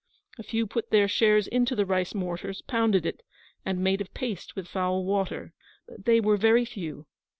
A few put their shares into the rice mortars, pounded it, and made a paste with foul water; but they were very few.